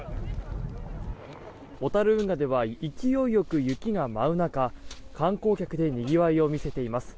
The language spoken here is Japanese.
小樽運河では勢いよく雪が舞う中観光客でにぎわいを見せています。